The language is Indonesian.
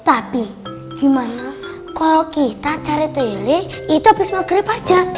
tapi gimana kalau kita cari tele itu habis maghrib aja